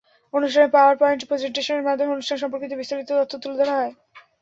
অনুষ্ঠানে power point প্রেজেন্টেশনের মাধ্যমে অনুষ্ঠান সম্পর্কিত বিস্তারিত তথ্য তুলে ধরা হয়।